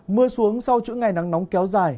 mưa xuống sau chữ ngày nắng nóng kéo dài